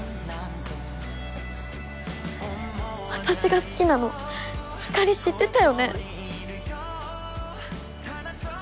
私が好きなのひかり知ってたよね？